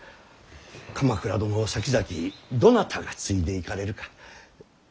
鎌倉殿をさきざきどなたが継いでいかれるか。